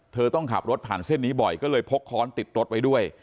ต้องขับรถผ่านเส้นนี้บ่อยก็เลยพกค้อนติดรถไว้ด้วย